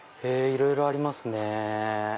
いろいろありますね。